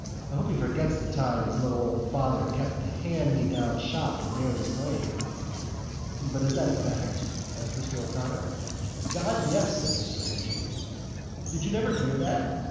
I suppose he forgets the time his little old father kept the hand me down shop in Mary's Lane." "But is that a fact?" asked Mr O'Connor. "God, yes," said Mr Henchy. "Did you never hear that?